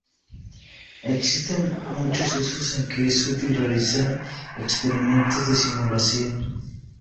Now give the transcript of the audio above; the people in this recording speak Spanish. Existen muchos usos en que es útil realizar experimentos de simulación.